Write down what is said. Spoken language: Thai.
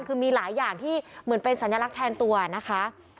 คือมีหลายอย่างที่เหมือนเป็นสัญลักษณ์แทนตัวนะคะ